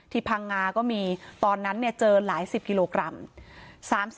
พังงาก็มีตอนนั้นเจอหลายสิบกิโลกรัม